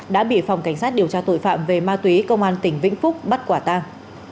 đã bị phòng cảnh sát điều tra tội phạm về ma túy công an tỉnh vĩnh phúc bắt quả tang